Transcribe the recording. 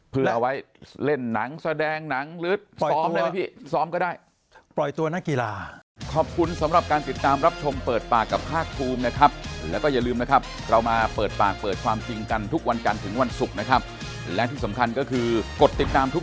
เพื่อเอาไว้เล่นหนังแสดงหนังหรือซ้อมได้ไหมพี่ซ้อมก็ได้